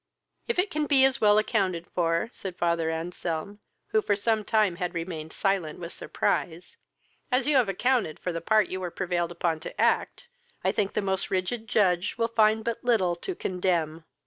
"If it can be as well accounted for (said father Anselm) who for some time had remained silent with surprise,) as you have accounted for the part you were prevailed upon to act, I think the most rigid judge will find but little to condemn."